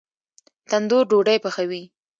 تندور ډوډۍ پخوي